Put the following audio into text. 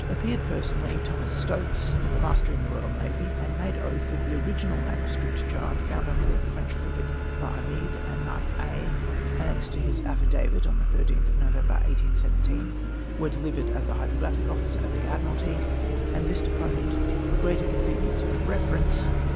Appeared personally, Thomas Stokes, master in the Royal Navy, and made oath that the original MSS. chart found on board the French frigate L^Armide, and marked A, annexed to his affidavit of the 13th of November, 1817, were delivered at the Hydrographic Office at the Admiralty, and this deponent for greater convenience of reference